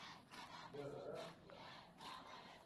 jaa ġaraas bila